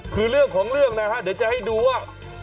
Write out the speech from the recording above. คือเรื่องของเรื่องนะฮะเดี๋ยวจะให้ดูว่า